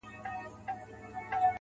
ته مي کله هېره کړې يې.